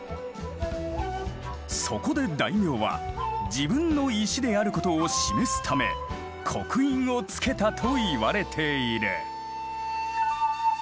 そこで大名は自分の石であることを示すため刻印を付けたといわれている。